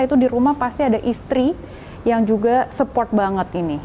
itu di rumah pasti ada istri yang juga support banget ini